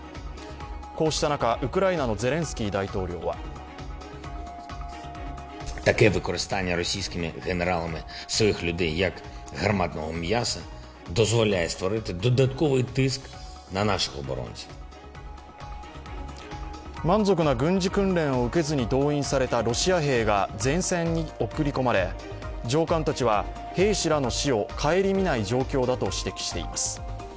こうした中、ウクライナのゼレンスキー大統領は満足な軍事訓練を受けずに動員されたロシア兵が前線に送り込まれ上官たちは兵士らの死を顧みない状況だと指摘しています。